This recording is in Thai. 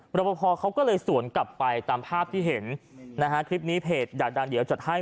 ประพอเขาก็เลยสวนกลับไปตามภาพที่เห็นนะฮะคลิปนี้เพจอยากดังเดี๋ยวจัดให้